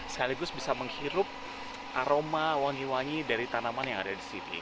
sekaligus bisa menghirup aroma wangi wangi dari tanaman yang ada di sini